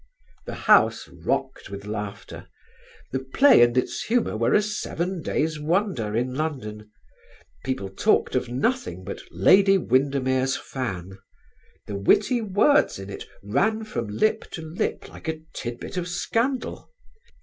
The house rocked with laughter. The play and its humour were a seven days' wonder in London. People talked of nothing but "Lady Windermere's Fan." The witty words in it ran from lip to lip like a tidbit of scandal.